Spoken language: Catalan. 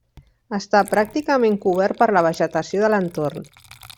Està pràcticament cobert per la vegetació de l'entorn.